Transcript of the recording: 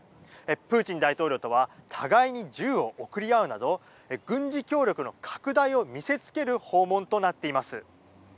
プーチン大統領とは互いに銃を送り合うなど軍事協力の拡大を見せつける訪問となっています。